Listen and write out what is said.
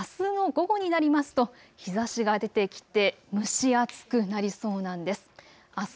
あすの午後になりますと日ざしが出てきて蒸し暑くなりそうなんです。